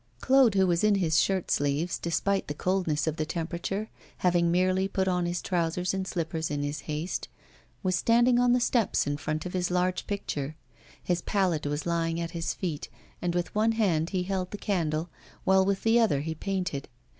Claude, who was in his shirt sleeves, despite the coldness of the temperature, having merely put on his trousers and slippers in his haste, was standing on the steps in front of his large picture. His palette was lying at his feet, and with one hand he held the candle, while with the other he painted.